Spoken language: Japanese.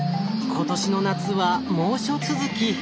今年の夏は猛暑続き。